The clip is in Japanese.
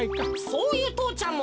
そういう父ちゃんも。